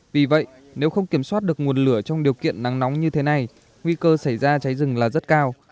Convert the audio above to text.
vì vậy nếu không kiểm soát được nguồn lửa trong điều kiện nắng nóng như thế này nguy cơ xảy ra cháy rừng là rất cao